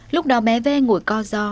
lúc đó bé vê ngủi co do